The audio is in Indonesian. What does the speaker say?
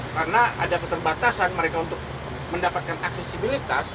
karena ada keterbatasan mereka untuk mendapatkan aksesibilitas